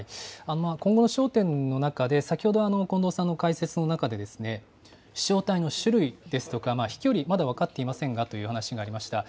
今後の焦点の中で先ほど近藤さんの解説の中で、飛しょう体の種類ですとか、飛距離、まだ分かっていませんがという話がありました。